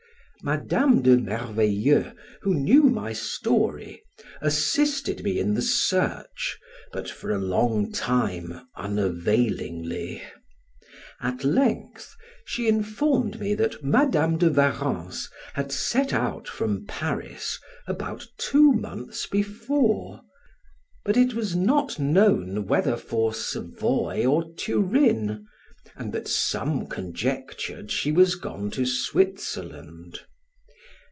Madam de Merveilleux, who knew my story, assisted me in the search, but for a long time unavailingly; at length, she informed me that Madam de Warrens had set out from Paris about two months before, but it was not known whether for Savoy or Turin, and that some conjectured she was gone to Switzerland.